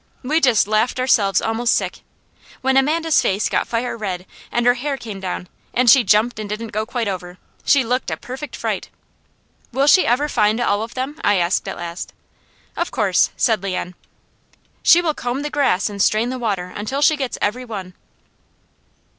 We just laughed ourselves almost sick. When Amanda's face got fire red, and her hair came down, and she jumped and didn't go quite over, she looked a perfect fright. "Will she ever find all of them?" I asked at last. "Of course," said Leon. "She will comb the grass and strain the water until she gets every one."